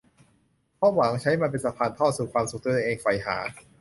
เพราะหวังใช้มันเป็นสะพานทอดสู่ความสุขที่ตัวเองใฝ่หา